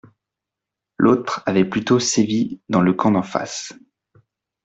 L’autre avait plutôt sévi dans le camp d’en face.